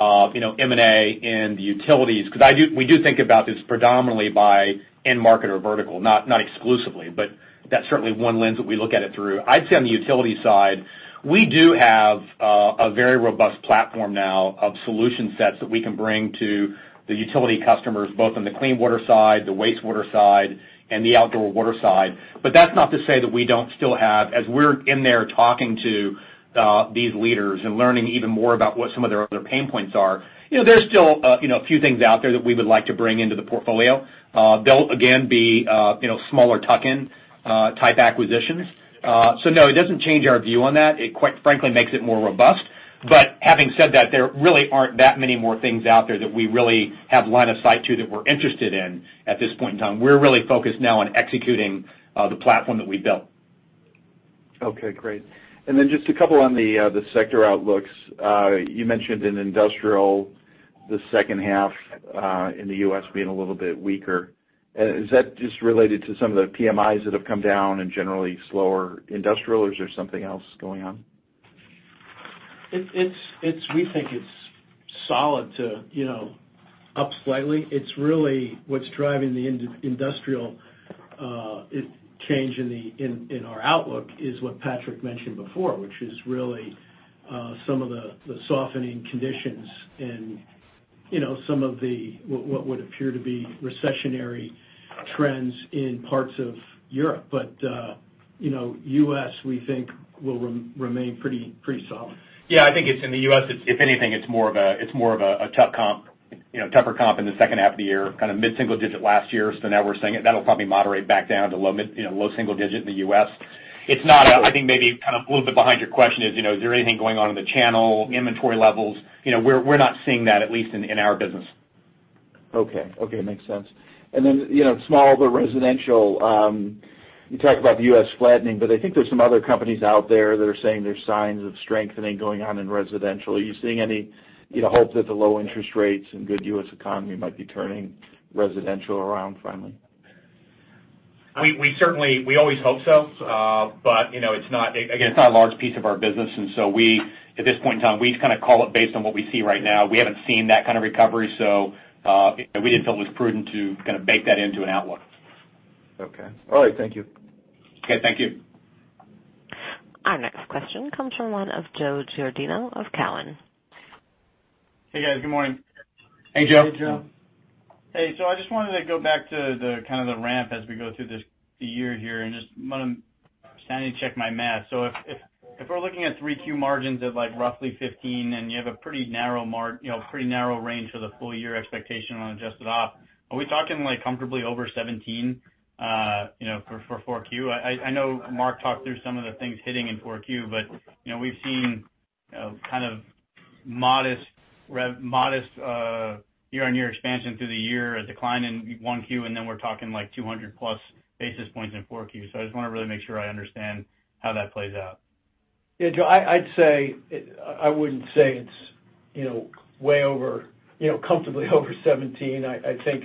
M&A and the utilities, because we do think about this predominantly by end market or vertical. Not exclusively, but that's certainly one lens that we look at it through. I'd say on the utility side, we do have a very robust platform now of solution sets that we can bring to the utility customers, both on the clean water side, the wastewater side, and the outdoor water side. That's not to say that we don't still have, as we're in there talking to these leaders and learning even more about what some of their other pain points are, there's still a few things out there that we would like to bring into the portfolio. They'll again be smaller tuck-in type acquisitions. No, it doesn't change our view on that. It quite frankly makes it more robust. Having said that, there really aren't that many more things out there that we really have line of sight to that we're interested in at this point in time. We're really focused now on executing the platform that we built. Okay, great. Then just a couple on the sector outlooks. You mentioned in industrial, the second half in the U.S. being a little bit weaker. Is that just related to some of the PMIs that have come down and generally slower industrial, or is there something else going on? We think it's solid to up slightly. It's really what's driving the industrial change in our outlook is what Patrick mentioned before, which is really some of the softening conditions and some of what would appear to be recessionary trends in parts of Europe. U.S., we think will remain pretty solid. Yeah, I think it's in the U.S., if anything, it's more of a tougher comp in the second half of the year, mid-single digit last year. Now we're saying that'll probably moderate back down to low single-digit in the U.S. I think maybe a little bit behind your question is there anything going on in the channel, inventory levels? We're not seeing that, at least in our business. Okay. Makes sense. Smaller residential, you talked about the U.S. flattening. I think there's some other companies out there that are saying there's signs of strengthening going on in residential. Are you seeing any hope that the low interest rates and good U.S. economy might be turning residential around finally? We always hope so. It's not a large piece of our business and so at this point in time, we call it based on what we see right now. We haven't seen that kind of recovery, so we didn't feel it was prudent to bake that into an outlook. Okay. All right. Thank you. Okay. Thank you. Our next question comes from the line of Joe Giordano of Cowen. Hey, guys. Good morning. Hey, Joe. Hey, Joe. Hey, I just wanted to go back to the ramp as we go through this year here, and just wanted to check my math. If we're looking at 3Q margins of roughly 15%, and you have a pretty narrow range for the full year expectation on adjusted Op, are we talking comfortably over 17% for 4Q? I know Mark talked through some of the things hitting in 4Q, we've seen modest year-on-year expansion through the year, a decline in 1Q, we're talking 200-plus basis points in 4Q. I just want to really make sure I understand how that plays out. Yeah, Joe, I wouldn't say it's comfortably over 17. I think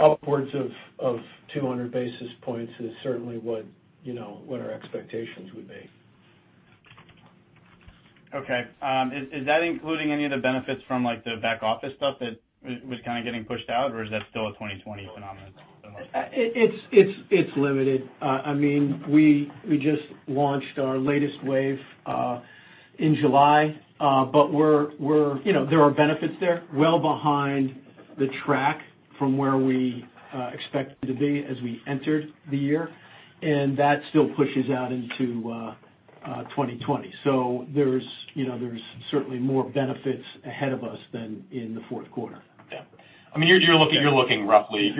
upwards of 200 basis points is certainly what our expectations would be. Okay. Is that including any of the benefits from the back office stuff that was getting pushed out, or is that still a 2020 phenomenon? It's limited. We just launched our latest wave in July. There are benefits there well behind the track from where we expected to be as we entered the year. That still pushes out into 2020. There's certainly more benefits ahead of us than in the fourth quarter. Yeah. You're looking roughly,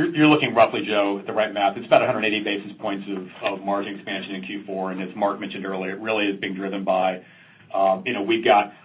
Joe, at the right math. It's about 180 basis points of margin expansion in Q4. As Mark mentioned earlier, it really is being driven by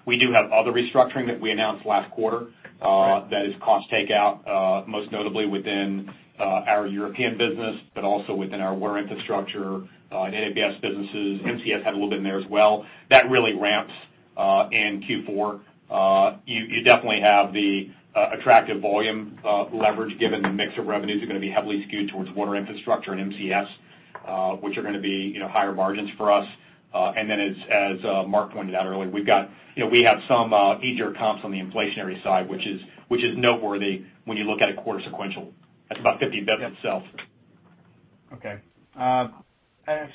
we do have other restructuring that we announced last quarter. Right that is cost takeout, most notably within our European business, also within our Water Infrastructure, Nabs Head businesses, MCS had a little bit in there as well. That really ramps in Q4. You definitely have the attractive volume leverage given the mix of revenues are going to be heavily skewed towards Water Infrastructure and MCS, which are going to be higher margins for us. As Mark pointed out earlier, we have some easier comps on the inflationary side, which is noteworthy when you look at a quarter sequential. That's about 50 basis points itself. Okay.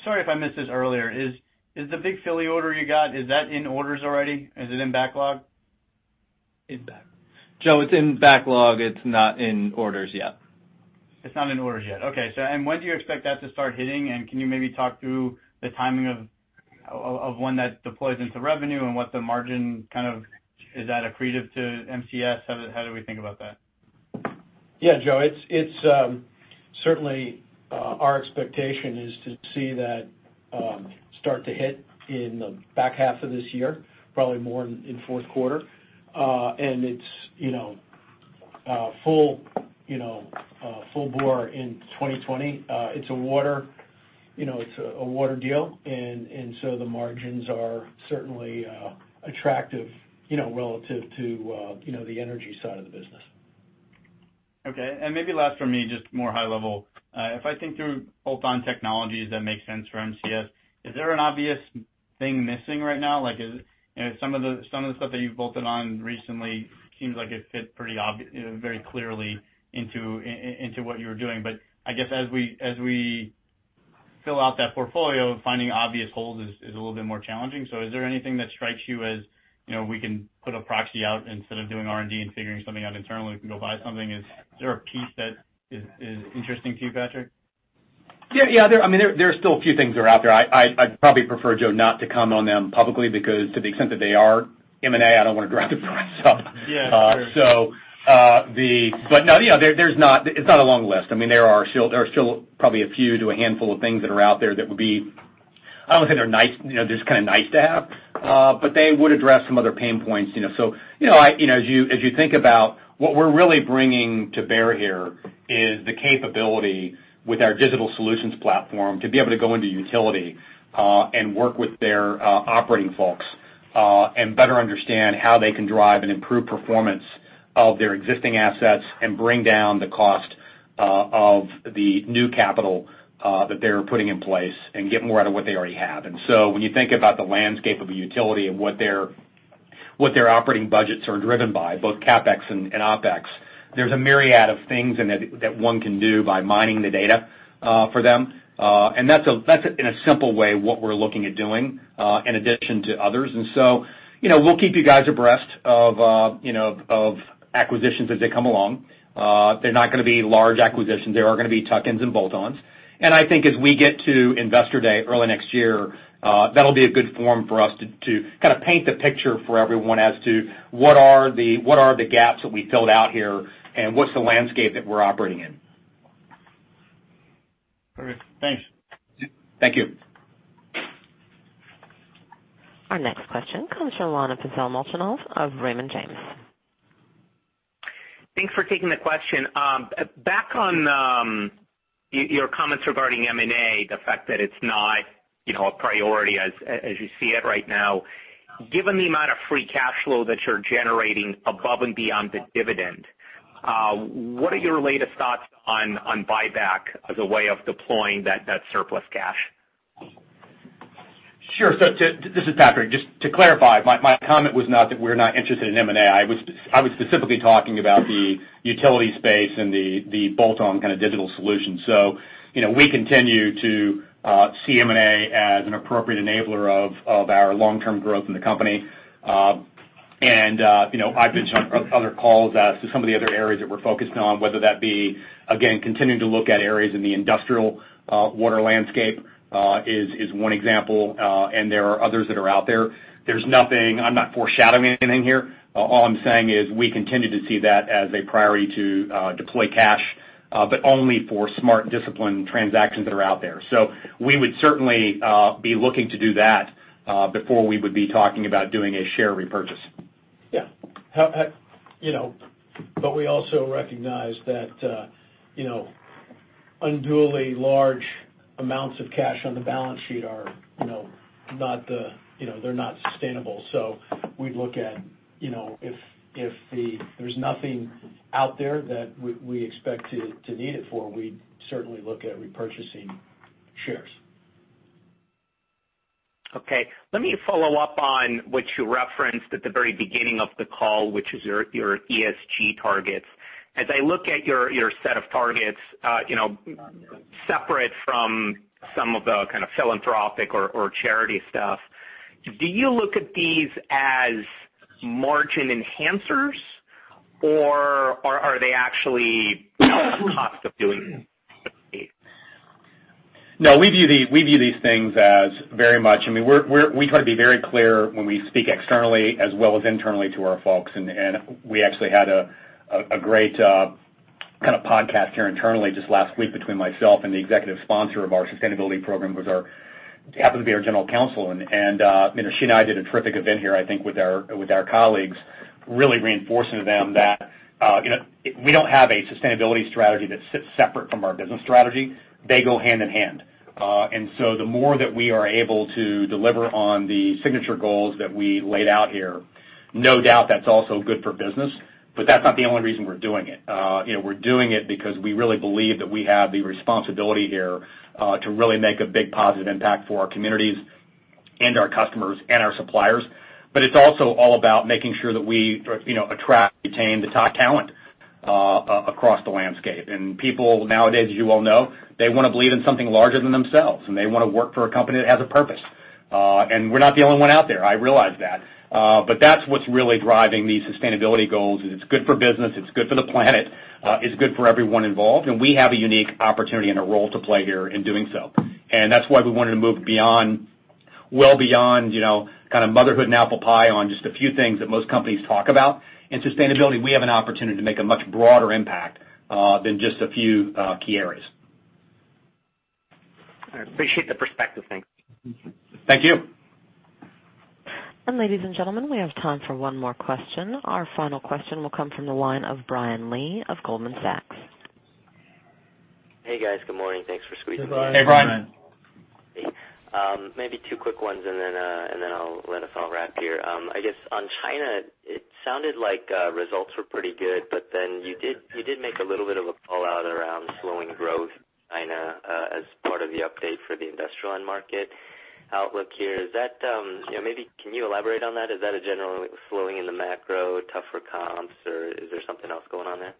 Sorry if I missed this earlier. Is the big Philly order you got, is that in orders already? Is it in backlog? In back. Joe, it's in backlog. It's not in orders yet. It's not in orders yet. Okay. When do you expect that to start hitting, and can you maybe talk through the timing of when that deploys into revenue and is that accretive to MCS? How do we think about that? Yeah, Joe. Certainly, our expectation is to see that start to hit in the back half of this year, probably more in fourth quarter. It's full bore in 2020. It's a water deal, and so the margins are certainly attractive relative to the energy side of the business. Okay. Maybe last from me, just more high level. If I think through bolt-on technologies that make sense for MCS, is there an obvious thing missing right now? Some of the stuff that you've bolted on recently seems like it fit very clearly into what you were doing. I guess as we fill out that portfolio, finding obvious holes is a little bit more challenging. Is there anything that strikes you as we can put a proxy out instead of doing R&D and figuring something out internally, we can go buy something? Is there a piece that is interesting to you, Patrick? Yeah. There are still a few things that are out there. I'd probably prefer, Joe, not to comment on them publicly because to the extent that they are M&A, I don't want to drive the price up. Yeah, sure. It's not a long list. There are still probably a few to a handful of things that are out there that would be, I don't think they're nice to have, but they would address some other pain points. As you think about what we're really bringing to bear here is the capability with our digital solutions platform to be able to go into utility, and work with their operating folks, and better understand how they can drive and improve performance of their existing assets, and bring down the cost of the new capital that they're putting in place, and get more out of what they already have. When you think about the landscape of a utility and what their operating budgets are driven by, both CapEx and OpEx. There's a myriad of things that one can do by mining the data for them. That's, in a simple way, what we're looking at doing, in addition to others. So, we'll keep you guys abreast of acquisitions as they come along. They're not going to be large acquisitions. They are going to be tuck-ins and bolt-ons. I think as we get to Investor Day early next year, that'll be a good forum for us to kind of paint the picture for everyone as to what are the gaps that we filled out here, and what's the landscape that we're operating in. Perfect. Thanks. Thank you. Our next question comes from Pavel Molchanov of Raymond James. Thanks for taking the question. Back on your comments regarding M&A, the fact that it's not a priority as you see it right now, given the amount of free cash flow that you're generating above and beyond the dividend, what are your latest thoughts on buyback as a way of deploying that surplus cash? Sure. This is Patrick. Just to clarify, my comment was not that we're not interested in M&A. I was specifically talking about the utility space and the bolt-on kind of digital solution. We continue to see M&A as an appropriate enabler of our long-term growth in the company. I've mentioned on other calls as to some of the other areas that we're focused on, whether that be, again, continuing to look at areas in the industrial water landscape is one example, and there are others that are out there. I'm not foreshadowing anything here. All I'm saying is we continue to see that as a priority to deploy cash, but only for smart, disciplined transactions that are out there. We would certainly be looking to do that before we would be talking about doing a share repurchase. We also recognize that unduly large amounts of cash on the balance sheet are not sustainable. We'd look at if there's nothing out there that we expect to need it for, we'd certainly look at repurchasing shares. Okay. Let me follow up on what you referenced at the very beginning of the call, which is your ESG targets. I look at your set of targets, separate from some of the kind of philanthropic or charity stuff, do you look at these as margin enhancers or are they actually a cost of doing? No, we view these things as very much. We try to be very clear when we speak externally as well as internally to our folks. We actually had a great kind of podcast here internally just last week between myself and the executive sponsor of our sustainability program who happens to be our general counsel. She and I did a terrific event here, I think, with our colleagues, really reinforcing to them that we don't have a sustainability strategy that sits separate from our business strategy. They go hand-in-hand. The more that we are able to deliver on the signature goals that we laid out here, no doubt that's also good for business, but that's not the only reason we're doing it. We're doing it because we really believe that we have the responsibility here to really make a big positive impact for our communities and our customers and our suppliers. It's also all about making sure that we attract and retain the top talent across the landscape. People nowadays, as you well know, they want to believe in something larger than themselves, and they want to work for a company that has a purpose. We're not the only one out there, I realize that. That's what's really driving these sustainability goals, is it's good for business, it's good for the planet, it's good for everyone involved, and we have a unique opportunity and a role to play here in doing so. That's why we wanted to move well beyond kind of motherhood and apple pie on just a few things that most companies talk about. In sustainability, we have an opportunity to make a much broader impact, than just a few key areas. I appreciate the perspective. Thanks. Thank you. Ladies and gentlemen, we have time for one more question. Our final question will come from the line of Brian Lee of Goldman Sachs. Hey, guys. Good morning. Thanks for squeezing me in. Hey, Brian. Hey, Brian. Maybe two quick ones. I'll let us all wrap here. I guess on China, it sounded like results were pretty good. You did make a little bit of a call-out around slowing growth, China, as part of the update for the industrial end market outlook here. Can you elaborate on that? Is that a general slowing in the macro, tougher comps, or is there something else going on there?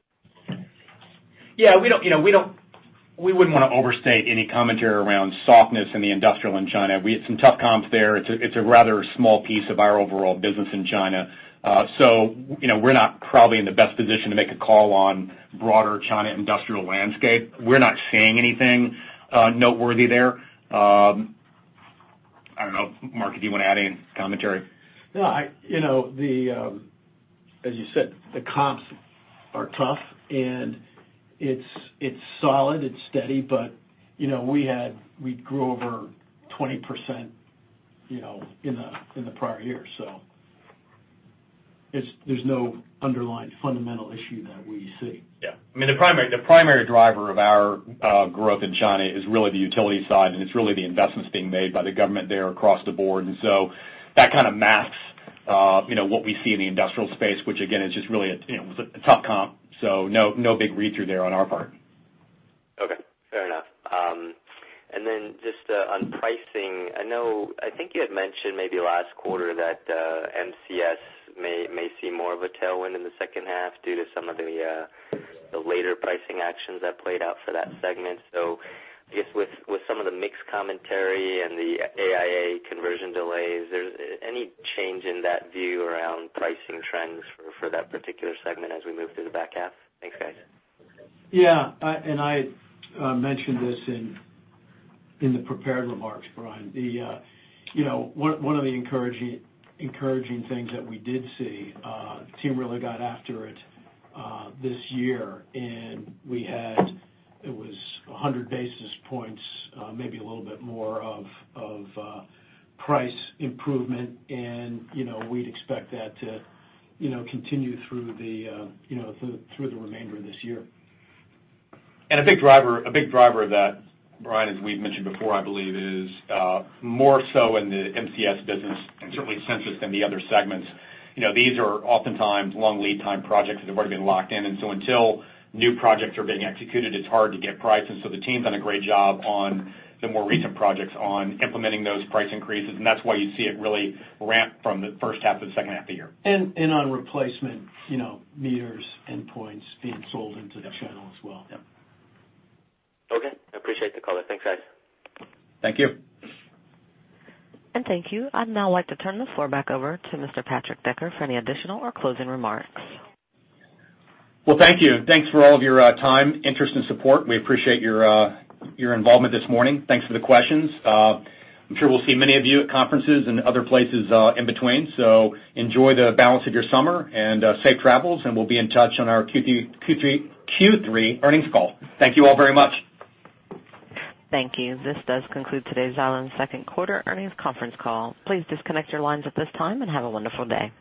Yeah, we wouldn't want to overstate any commentary around softness in the industrial in China. We had some tough comps there. It's a rather small piece of our overall business in China. We're not probably in the best position to make a call on broader China industrial landscape. We're not seeing anything noteworthy there. I don't know, Mark, if you want to add any commentary. No. As you said, the comps are tough and it's solid, it's steady, but we grew over 20% in the prior year. There's no underlying fundamental issue that we see. Yeah. The primary driver of our growth in China is really the utility side, and it's really the investments being made by the government there across the board. That kind of masks what we see in the industrial space, which again, is just really a tough comp. No big read-through there on our part. Just on pricing, I think you had mentioned maybe last quarter that MCS may see more of a tailwind in the second half due to some of the later pricing actions that played out for that segment. I guess with some of the mixed commentary and the AIA conversion delays, any change in that view around pricing trends for that particular segment as we move through the back half? Thanks, guys. Yeah. I mentioned this in the prepared remarks, Brian. One of the encouraging things that we did see, the team really got after it this year, and we had, it was 100 basis points, maybe a little bit more of price improvement, and we'd expect that to continue through the remainder of this year. A big driver of that, Brian, as we've mentioned before, I believe, is more so in the MCS business and certainly Sensus than the other segments. These are oftentimes long lead time projects that have already been locked in. Until new projects are being executed, it's hard to get price. The team's done a great job on the more recent projects on implementing those price increases, and that's why you see it really ramp from the first half to the second half of the year. On replacement meters, endpoints being sold into the channel as well. Yep. Okay. I appreciate the color. Thanks, guys. Thank you. Thank you. I'd now like to turn the floor back over to Mr. Patrick Decker for any additional or closing remarks. Well, thank you. Thanks for all of your time, interest, and support. We appreciate your involvement this morning. Thanks for the questions. I'm sure we'll see many of you at conferences and other places in between. Enjoy the balance of your summer and safe travels, and we'll be in touch on our Q3 earnings call. Thank you all very much. Thank you. This does conclude today's Xylem second quarter earnings conference call. Please disconnect your lines at this time and have a wonderful day.